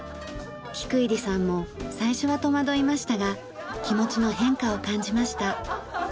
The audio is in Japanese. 菊入さんも最初は戸惑いましたが気持ちの変化を感じました。